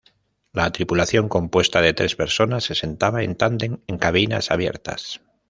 La tripulación, compuesta de tres personas, se sentaba en tándem en cabinas abiertas.